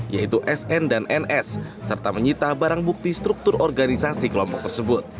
yaitu sn dan ns serta menyita barang bukti struktur organisasi kelompok tersebut